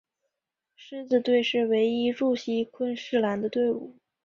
狮子队是唯一驻锡昆士兰的队伍。